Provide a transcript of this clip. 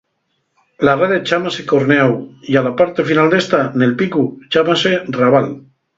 La rede chámase corneáu ya la parte final d'ésta, nel picu, chámase rabal.